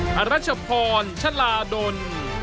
รัชพรชะลาดล